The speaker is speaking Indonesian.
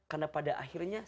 karena pada akhirnya